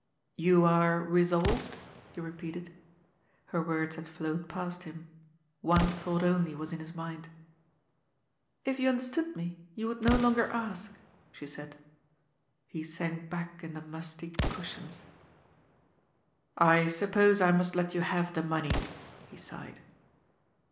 "You are resolved?" he repeated. Her words had flowed past him. One thought only was in his mind. " If you understood me, you would no longer ask," she said. He sank back in the musty cushions. " I suppose I must let you have the money," he sighed.